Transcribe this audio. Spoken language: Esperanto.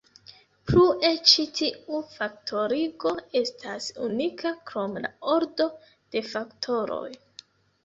Plue ĉi tiu faktorigo estas unika krom la ordo de faktoroj.